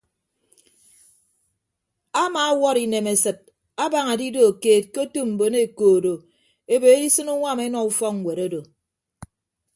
Amaawʌt inemesịt abaña adido keet ke otu mbon ekoodo ebo edisịn uñwam enọ ufọkñwet odo.